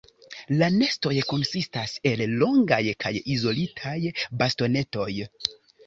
La nestoj konsistas el longaj kaj izolitaj bastonetoj.